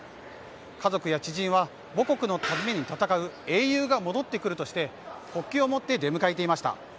家族や知人は、母国のために戦う英雄が戻ってくるとして国旗を持って出迎えていました。